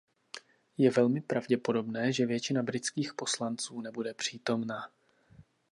Je velmi pravděpodobné, že většina britských poslanců nebude přítomna.